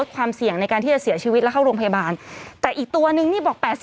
ความเสี่ยงในการที่จะเสียชีวิตแล้วเข้าโรงพยาบาลแต่อีกตัวนึงนี่บอก๘๐